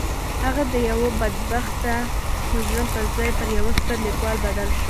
هغه د یوه بدبخته مجرم پر ځای پر یوه ستر لیکوال بدل شو